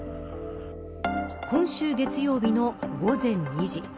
今週月曜日の午前２時。